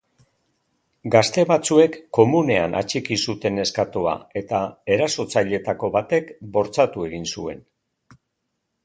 Gazte batzuek komunean atxiki zuten neskatoa eta erasotzaileetako batek bortxatu egin zuen.